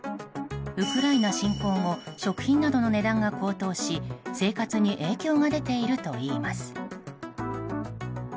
ウクライナ侵攻後食品などの値段が高騰し生活に影響が出ているといいます。